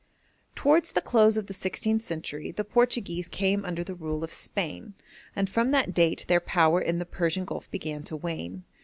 Towards the close of the sixteenth century the Portuguese came under the rule of Spain, and from that date their power in the Persian Gulf began to wane.